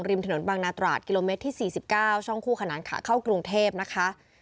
ริมถนนบางนาตราดกิโลเมตรที่๔๙ช่องคู่ขนานขาเข้ากรุงเทพนะคะ